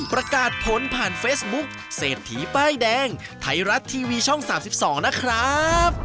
ประกาศผลผ่านเฟซบุ๊คเศรษฐีป้ายแดงไทยรัฐทีวีช่อง๓๒นะครับ